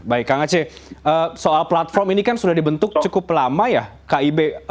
baik kang aceh soal platform ini kan sudah dibentuk cukup lama ya kib